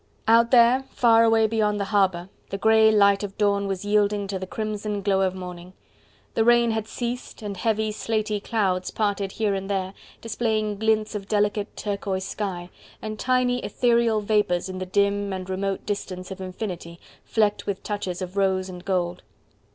Out there, far away, beyond the harbour, the grey light of dawn was yielding to the crimson glow of morning. The rain had ceased and heavy slaty clouds parted here and there, displaying glints of delicate turquoise sky, and tiny ethereal vapours in the dim and remote distance of infinity, flecked with touches of rose and gold.